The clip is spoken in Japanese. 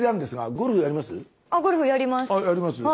ゴルフやります。